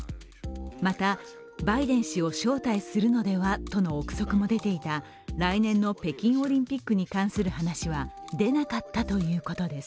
またバイデン氏を招待するのではとの臆測も出ていた来年の北京オリンピックに関する話は出なかったということです。